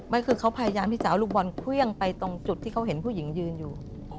คือเขาพยายามที่จะเอาลูกบอลเครื่องไปตรงจุดที่เขาเห็นผู้หญิงยืนอยู่